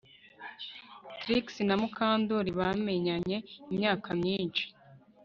Trix na Mukandoli bamenyanye imyaka myinshi